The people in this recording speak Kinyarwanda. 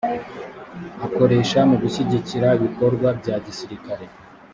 akoreshwa mu gushyigikira ibikorwa bya gisirikare